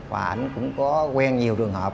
và anh cũng có quen nhiều trường hợp